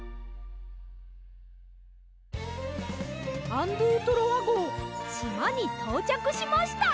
アン・ドゥ・トロワごうしまにとうちゃくしました！